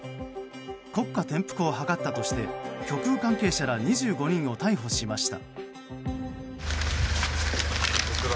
国家転覆をはかったとして極右関係者ら２５人を逮捕しました。